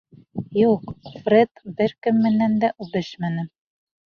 — Юҡ, Фред бер кем менән дә үбешмәне.